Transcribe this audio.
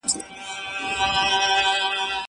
چايي د زهشوم له خوا څښل کيږي!!